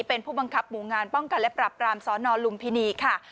เป็นผู้บังคับหมู่งานป้องกันและปรับปรามสนลุมพินีค่ะ